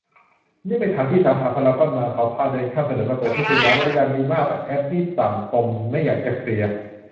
นี่ไปถามที่ สาขาพารากอนมา เขาพาเดินข้ามถนนมาเปิดที่สยาม บริการดีมากแต่แอป นี่ต่ำตมไม่อยากจะเคลียร์